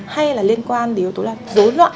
hay là liên quan đến yếu tố là dối loạn